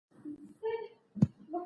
هغه د نورو په اجنډا کې تطابق کوي.